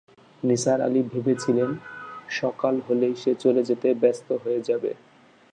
নিসার আলি ভেবেছিলেন, সকাল হলেই সে চলে যেতে ব্যস্ত হয়ে যাবে।